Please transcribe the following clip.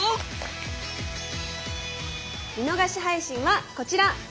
見逃し配信はこちら！